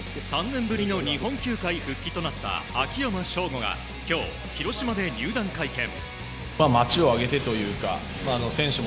３年ぶりの日本球界復帰となった秋山翔吾が今日、広島で入団会見。